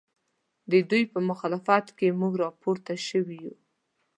ددوی په مخالفت کې موږ راپورته شوي یو